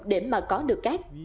để mà có được cát